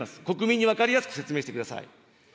国民に分かりやすく説明してください。